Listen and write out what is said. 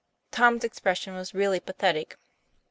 Tom's expression was really pathetic.